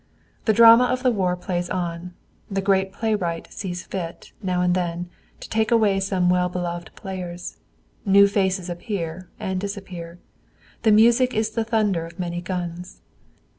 The drama of the war plays on. The Great Playwright sees fit, now and then, to take away some well beloved players. New faces appear and disappear. The music is the thunder of many guns.